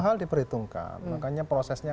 hal diperhitungkan makanya prosesnya